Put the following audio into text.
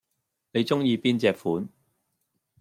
你鍾意邊隻款